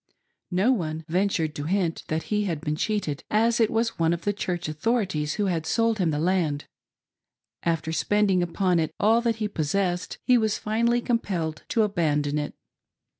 No one ventured to hint that he had been cheated, as it was one of the Church authorities who had sold him the land. After spending upon it all that he possessed, he was finally compelled to abandon it.